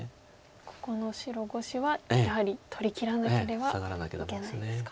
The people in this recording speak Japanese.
ここの白５子はやはり取りきらなければいけないんですか。